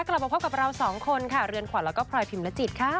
กลับมาพบกับเราสองคนค่ะเรือนขวัญแล้วก็พลอยพิมรจิตค่ะ